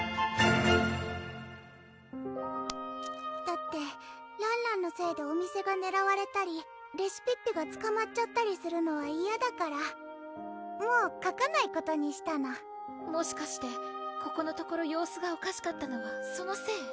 ⁉だってらんらんのせいでお店がねらわれたりレシピッピがつかまっちゃったりするのは嫌だからもう書かないことにしたのもしかしてここのところ様子がおかしかったのはそのせい？